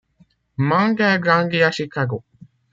Mandel grandit à Chicago.